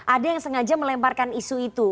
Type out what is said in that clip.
ada yang sengaja melemparkan isu itu